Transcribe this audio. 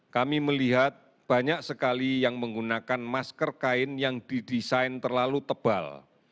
kami melihat banyak sekali yang menggunakan masker kain yang didesain terlalu tebal